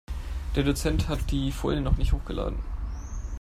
Der Dozent hat die Folien noch nicht hochgeladen.